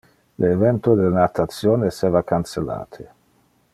Le evento de natation esseva cancellate.